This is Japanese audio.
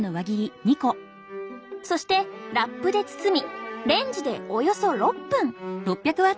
そしてラップで包みレンジでおよそ６分。